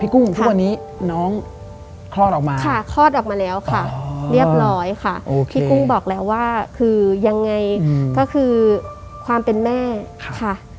ก็คือยังไงก็คือความเป็นแม่ค่ะ